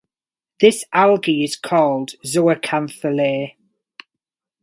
This algae is called zooxanthellae.